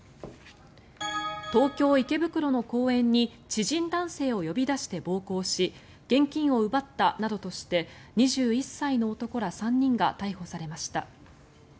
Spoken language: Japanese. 東京・池袋の公園に知人男性を呼び出して暴行し現金を奪ったなどとして２１歳の男ら３人が逮捕されました。